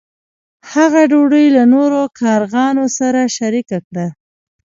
هغه ډوډۍ له نورو کارغانو سره شریکه کړه.